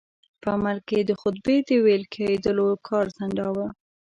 په عمل کې یې د خطبې د ویل کېدلو کار ځنډاوه.